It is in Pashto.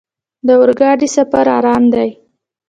د اورګاډي سفر ارام دی.